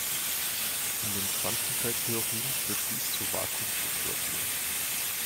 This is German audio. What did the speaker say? In den Quantenfeldtheorien führt dies zu Vakuumfluktuationen.